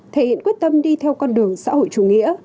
thể hiện quyết tâm đi theo con đường xã hội chủ nghĩa